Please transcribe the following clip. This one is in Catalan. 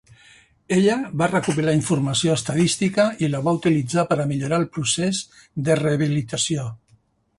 Ella va recopilar informació estadística i la va utilitzar per a millorar el procés de rehabilitació.